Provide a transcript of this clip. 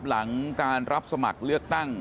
หลังการรับสมัครเลือกตั้ง